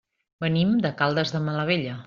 Venim de Caldes de Malavella.